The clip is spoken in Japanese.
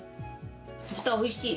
豚おいしい。